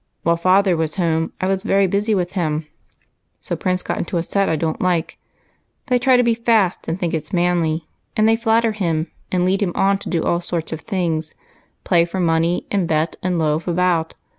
" While father was home, I was very busy with him, so Prince got into a set I don't like. They try to be fast, and think it 's manly, and they flatter him, and PEACE MAKING. 211 lead him on to do all sorts of things, — play for money, and bet, and loaf about.